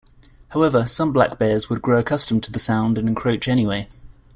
However, some black bears would grow accustomed to the sound and encroach anyway.